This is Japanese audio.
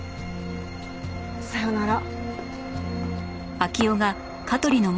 さようなら。